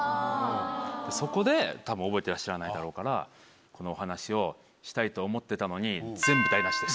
そこでたぶん覚えてらっしゃらないだろうからこのお話をしたいと思ってたのに。